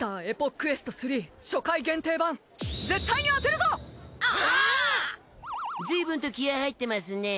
ずいぶんと気合い入ってますね。